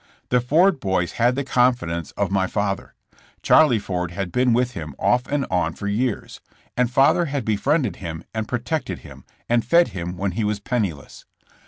The Ford boys had the confidence of my father. Charlie Ford had been with him off and on for years, and father had befriended him and protected him and fed him when he was penniless.